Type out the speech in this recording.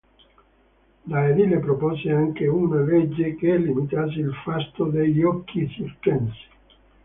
Da edile propose anche una legge che limitasse il fasto dei giochi circensi.